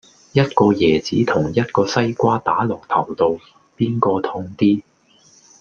一個椰子同一個西瓜打落頭度,邊個痛啲